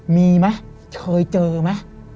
มีไหมเคยเจอไหม